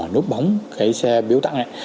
nút bóng cái xe biếu tặng này